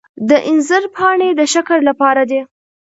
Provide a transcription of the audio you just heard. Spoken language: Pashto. د انځر پاڼې د شکر لپاره دي.